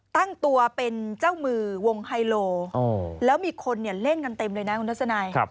ตั้งตัวเป็นเจ้ามือวงไฮโลแล้วมีคนเล่นกันเต็มเลยนะคุณทัศนัย